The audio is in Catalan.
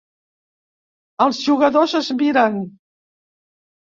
Els jugadors es miren.